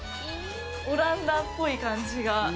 オランダっぽい感じが。